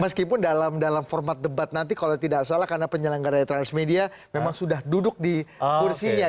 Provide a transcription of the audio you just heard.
meskipun dalam format debat nanti kalau tidak salah karena penyelenggara transmedia memang sudah duduk di kursinya